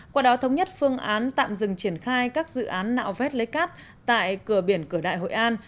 qua đó thống nhất phương án tạm dừng triển khai các dự án nạo vét lấy cát tại cửa biển cửa đại hội an